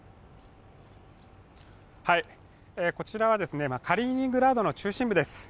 こちらはカリーニングラードの中心部です。